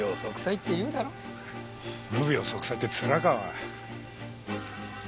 無病息災って面かおい。